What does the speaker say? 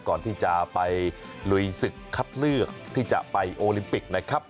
ก่อนที่จะไปลุยศึกคัดเลือกที่จะไปโอลิมปิกนะครับ